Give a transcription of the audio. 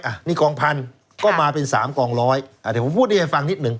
อ่ะนี่กองพันธุ์ก็มาเป็นสามกองร้อยอ่าเดี๋ยวผมพูดให้ฟังนิดหนึ่ง